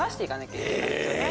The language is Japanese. え！